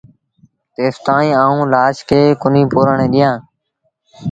تيستائيٚݩ آئوݩ لآش کي پورڻ ڪونهيٚ ڏيآݩ